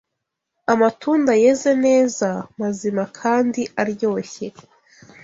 Amatunda yeze neza, mazima kandi aryoshye,